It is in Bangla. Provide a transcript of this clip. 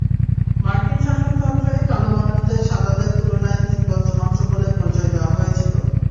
মার্কিন শাসনতন্ত্রেই কালো মানুষদের সাদাদের তুলনায় তিন-পঞ্চমাংশ বলে পরিচয় দেওয়া হয়েছিল।